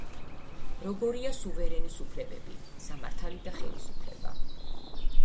როგორია სუვერენის უფლებები, სამართალი და ხელისუფლება.